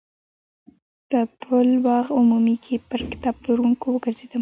په پل باغ عمومي کې پر کتاب پلورونکو وګرځېدم.